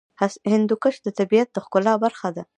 هندوکش د طبیعت د ښکلا برخه ده.